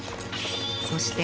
そして。